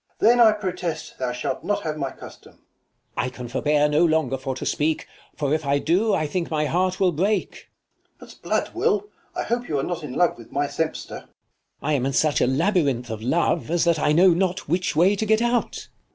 Mum. Then I protest thou shalt not have my custom. King. I can forbear no longer for to speak : 'i For if I do, I think my heart will break. Mum. 'Sblood, Will, I hope you are not in love with my sempster. 45 King. I am in such a labyrinth of love, / As that I know not which way to get out.